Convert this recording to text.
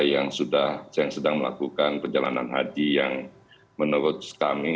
yang sedang melakukan perjalanan haji yang menurut kami